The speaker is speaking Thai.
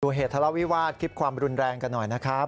เหตุทะเลาวิวาสคลิปความรุนแรงกันหน่อยนะครับ